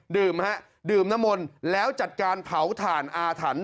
ดื่มนะครับดื่มน้ำมนต์แล้วจัดการเผาฐานอาถรรพ์